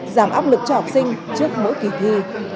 giảm áp lực cho học sinh trước mỗi kỳ thi